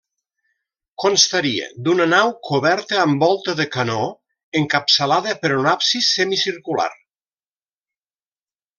Constaria d'una nau coberta amb volta de canó, encapçalada per un absis semicircular.